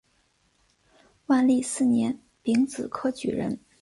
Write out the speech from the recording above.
万历四年丙子科举人。